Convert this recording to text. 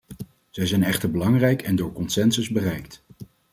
Ze zijn echter belangrijk en door consensus bereikt.